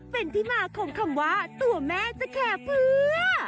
เป็นที่มาของคำว่าตัวแม่จะแคร์เพื่อ